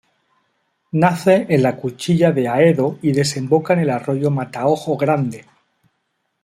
Nace en la Cuchilla de Haedo y desemboca en el arroyo Mataojo Grande.